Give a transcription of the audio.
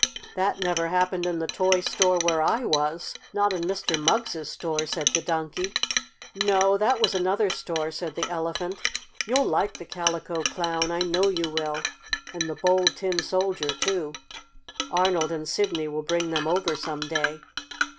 "That never happened in the toy store where I was not in Mr. Mugg's store," said the Donkey. "No, that was another store," said the Elephant. "You'll like the Calico Clown, I know you will, and the Bold Tin Soldier, too. Arnold and Sidney will bring them over some day."